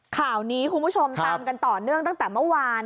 ข่าวนี้คุณผู้ชมตามกันต่อเนื่องตั้งแต่เมื่อวาน